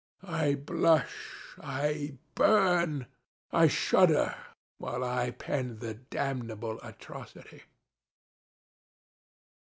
I blush, I burn, I shudder, while I pen the damnable atrocity.